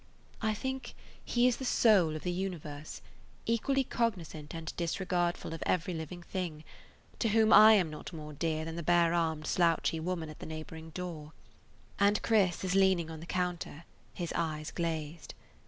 I think he is the soul of the universe, equally cognizant and disregardful of every living thing, to whom I am not more dear than the bare armed slouchy woman at the neighboring door. And Chris is leaning on the counter, his eyes glazed.